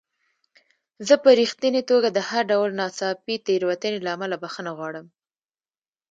زه په رښتینې توګه د هر ډول ناڅاپي تېروتنې له امله بخښنه غواړم.